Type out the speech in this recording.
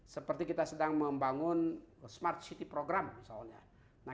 seperti kita sedang membangun smart city program misalnya